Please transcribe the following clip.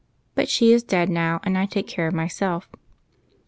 But she is dead now, and I take care of myself."